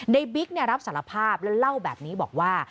บิ๊กรับสารภาพแล้วเล่าแบบนี้บอกว่า